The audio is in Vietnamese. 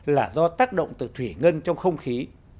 là do tác động từ thủy ngân trong không khí